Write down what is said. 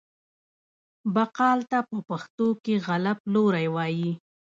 بقال ته په پښتو کې غله پلوری وايي.